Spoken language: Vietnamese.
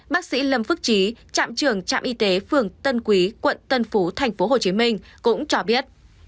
bác sĩ lâm phước trí trạm trưởng trạm y tế phường tân quý quận tân phú tp hcm cũng cho biết